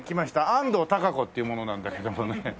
安藤孝子っていう者なんだけどもね。